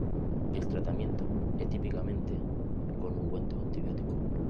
El tratamiento es típicamente con ungüento antibiótico.